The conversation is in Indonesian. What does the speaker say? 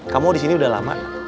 kamu di sini udah lama